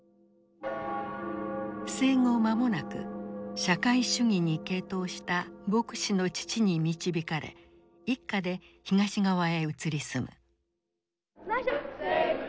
生後間もなく社会主義に傾倒した牧師の父に導かれ一家で東側へ移り住む。